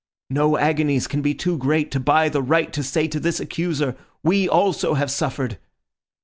No agonies can be too great to buy the right to say to this accuser, 'We also have suffered.